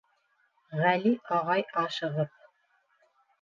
Ғәли ағай, ашығып: